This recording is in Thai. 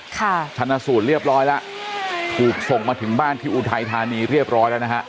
ชนะสูตรเรียบร้อยแล้วถูกส่งมาถึงบ้านที่อุทัยธานีเรียบร้อยแล้วนะฮะ